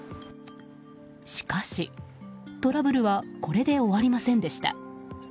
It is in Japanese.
しかし、トラブルはこれで終わりませんでした。